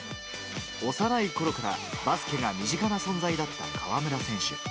幼いころからバスケが身近な存在だった河村選手。